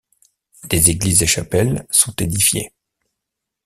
Des églises et chapelles sont édifiées.